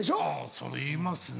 それ言いますね。